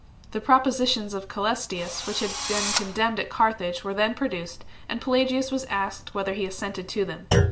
The pro positions of Crelestius which had been condemned at Car thage were then produced, and Pelagius was asked whether he assented to them.